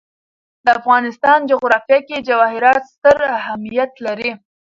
د افغانستان جغرافیه کې جواهرات ستر اهمیت لري.